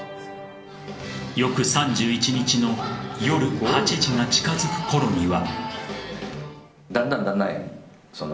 翌３１日の夜８時が近づくころには。